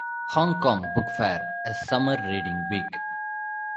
Hong Kong Book Fair as Summer Reading Week.